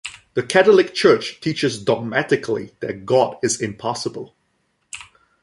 The Catholic Church teaches dogmatically that God is impassible.